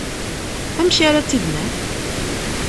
Amek ara tt-id-naf?